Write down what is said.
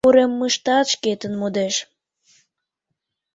Уремыштат шкетын модеш.